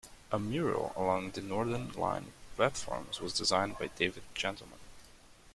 A mural along the Northern line platforms was designed by David Gentleman.